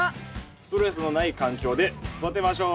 ストレスのない環境で育てましょう。